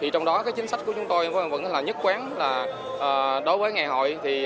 trong đó chính sách của chúng tôi vẫn là nhất quán là đối với ngày hội